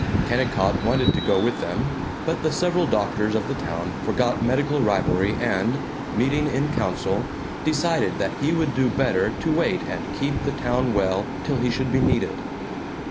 Kennicott wanted to go with them, but the several doctors of the town forgot medical rivalry and, meeting in council, decided that he would do better to wait and keep the town well till he should be needed.